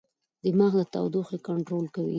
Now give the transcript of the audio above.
دماغ د تودوخې کنټرول کوي.